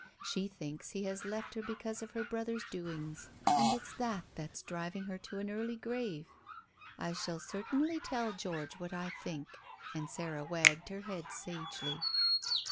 She thinks he has left her because of her brother's doings, and it's that that's driving her to an early grave. I shall certainly tell George what I think." And Sarah wagged her head sagely.